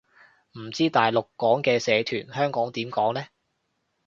唔知大陸講嘅社團，香港點講呢